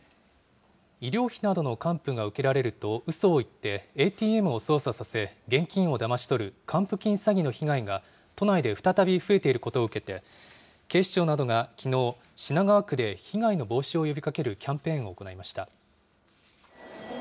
医療費などの還付が受けられると、うそを言って、ＡＴＭを操作させ、現金をだまし取る還付金詐欺の被害が都内で再び増えていることを受けて、警視庁などがきのう、品川区で被害の防止を呼びかけるキャンペーンを行いました。